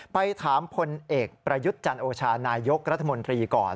ไปถามพลเอกประยุทธ์จันโอชานายกรัฐมนตรีก่อน